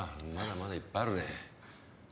まだまだいっぱいあるね。